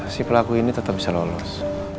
si pelaku ini tetap bisa lolos